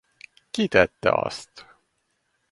Ki tette azt?